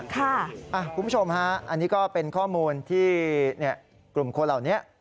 คุณผู้ชมฮะอันนี้ก็เป็นข้อมูลที่กลุ่มคนเหล่านี้